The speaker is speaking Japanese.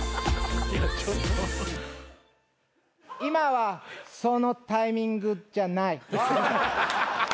今はそのタイミングじゃない。